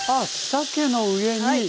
さけの上に。